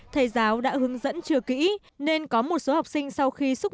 thầy giáo đã hướng dẫn chưa kỹ nên có một số học sinh sau khi xúc